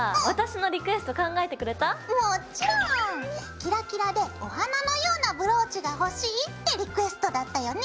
「キラキラでお花のようなブローチが欲しい」ってリクエストだったよね。